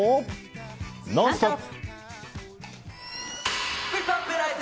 「ノンストップ！」。